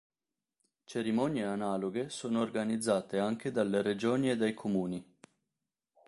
Cerimonie analoghe sono organizzate anche dalle Regioni e dai Comuni.